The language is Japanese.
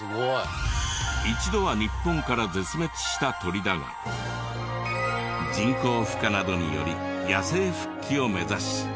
一度は日本から絶滅した鳥だが人工孵化などにより野生復帰を目指し。